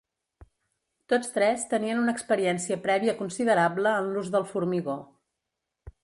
Tots tres tenien una experiència prèvia considerable en l'ús del formigó.